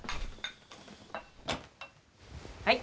はい。